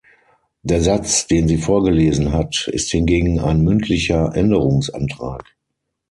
Der Satz, den sie vorgelesen hat, ist hingegen ein mündlicher Änderungsantrag.